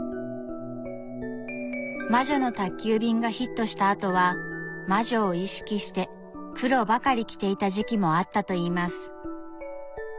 「魔女の宅急便」がヒットしたあとは魔女を意識して黒ばかり着ていた時期もあったといいます。